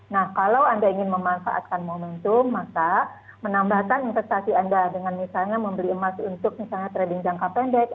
nah kalau anda ingin memanfaatkan momentum maka menambahkan investasi anda dengan misalnya membeli emas untuk misalnya trading jangka pendek